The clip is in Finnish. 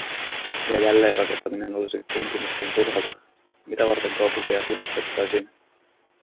Ja jälleenrakentaminen olisi tuntunutkin turhalta… Mitä varten kaupunkeja kunnostettaisiin?